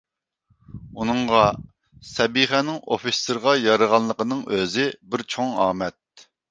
ئۇنىڭغا سەبىخەنىڭ ئوفىتسېرغا يارىغانلىقىنىڭ ئۆزى بىر چوڭ ئامەت.